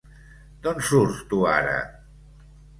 D'on surts, tu, ara?